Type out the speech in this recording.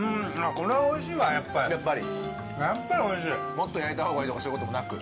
もっと焼いたほうがいいとかそういうこともなく。